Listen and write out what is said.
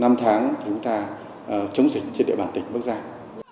năm tháng chúng ta chống dịch trên địa bàn tỉnh bắc giang